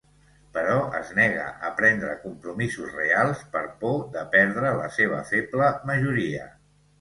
Però, es nega a prendre compromisos reals per por de perdre la seva feble majoria.